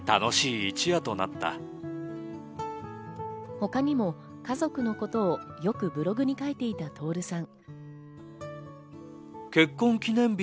他にも家族のことをよくブログに書いていた徹さん。